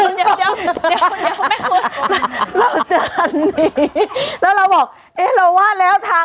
เดี๋ยวเดี๋ยวคนเดียวไม่ครบเราจะคันนี้แล้วเราบอกเอ๊ะเราว่าแล้วทาง